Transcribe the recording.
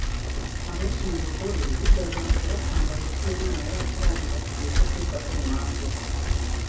Abenshi mu bagore bigaragambije batangaza ko uyu mwana yari atarageza ku gihe cyo kuba yakwifatira imyanzuro